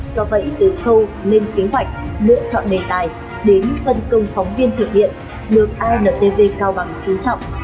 do vậy từ câu lên kế hoạch lựa chọn đề tài đến vận công phóng viên thực hiện được antv cao bằng trú trọng